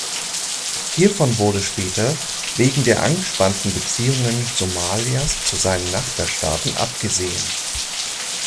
Hiervon wurde später wegen der angespannten Beziehungen Somalias zu seinen Nachbarstaaten abgesehen.